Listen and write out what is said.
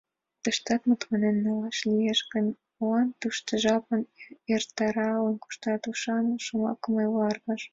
— Тыштак мутланен налаш лиеш гын, молан тушко жапым эртарыл кошташ? — ушан шомакым ойла Аркаш.